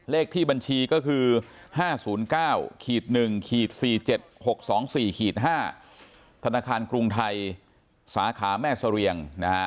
เลขที่บัญชีก็คือ๕๐๙๑๔๗๖๒๔๕ธนาคารกรุงไทยสาขาแม่เสรียง